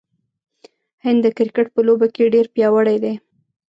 هند د کرکټ په لوبه کې ډیر پیاوړی دی.